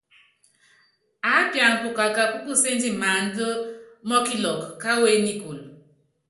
Aápiana pukaka púkuséndi maánda mɔkilɔkɔ káwú énikúlu.